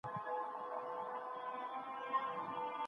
دولت باید ښوونې او روزنې ته پام وکړي.